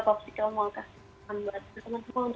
popsicle mau kasih pengetahuan buat teman teman